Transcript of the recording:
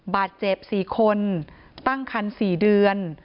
บาดเจ็บ๔คนตั้งคัน๔เดือน